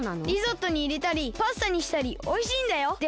リゾットにいれたりパスタにしたりおいしいんだよ！